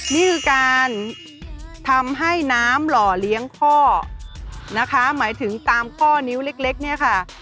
นี่คือการทำให้น้ำหล่อเลี้ยงข้อนะคะหมายถึงตามข้อนิ้วเล็กเนี่ยค่ะ